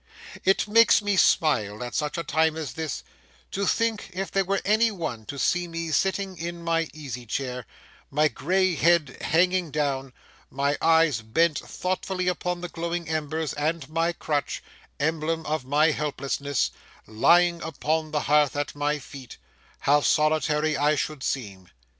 It makes me smile, at such a time as this, to think if there were any one to see me sitting in my easy chair, my gray head hanging down, my eyes bent thoughtfully upon the glowing embers, and my crutch—emblem of my helplessness—lying upon the hearth at my feet, how solitary I should seem.